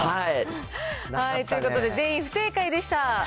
ということで、全員不正解でした。